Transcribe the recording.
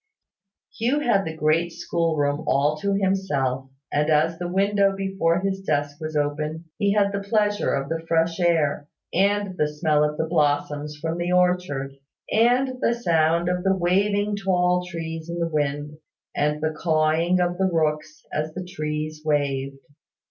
Hugh had the great school room all to himself; and as the window before his desk was open, he had the pleasure of the fresh air, and the smell of the blossoms from the orchard, and the sound of the waving of the tall trees in the wind, and the cawing of the rooks as the trees waved.